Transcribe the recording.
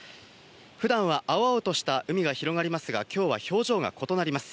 普段は青々とした海が広がりますが、きょうは表情が異なります。